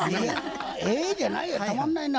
えじゃないよたまんないな。